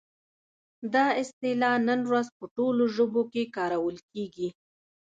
دا اصطلاح نن ورځ په ټولو ژبو کې کارول کیږي.